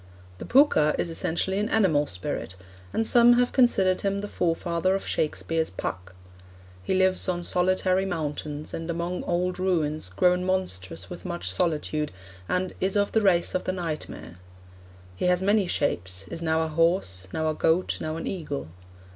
The Pooka is essentially an animal spirit, and some have considered him the forefather of Shakespeare's 'Puck.' He lives on solitary mountains, and among old ruins 'grown monstrous with much solitude,' and 'is of the race of the nightmare.' 'He has many shapes is now a horse, ... now a goat, now an eagle.